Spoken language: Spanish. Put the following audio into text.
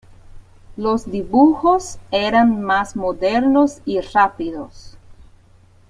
Los dibujos eran más modernos y "rápidos".